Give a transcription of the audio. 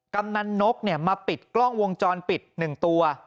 กำนันนกมาปิดกล้องวงจรปิด๑ตัว